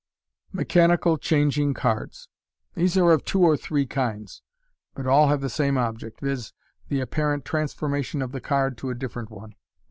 Mechanical Changing Cards. — These are of two or three kinds, but all have the same object — viz., the apparent transformation of the card to a different one.